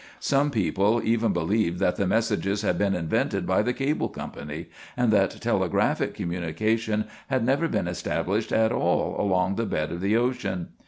Some people even believed that the messages had been invented by the cable company, and that telegraphic communication had never been established at all along the bed of the ocean.